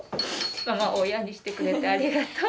ママを親にしてくれてありがとう。